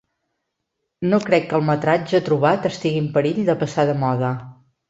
No crec que el metratge trobat estigui en perill de passar de moda.